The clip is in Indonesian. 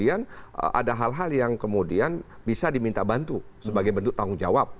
ada hal hal yang kemudian bisa diminta bantu sebagai bentuk tanggung jawab